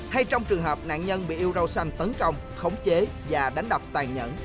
hay trong trường hợp nạn nhân bị yêu râu xanh tấn công khống chế và đánh đọc tàn nhẫn